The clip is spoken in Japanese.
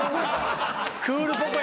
クールポコ。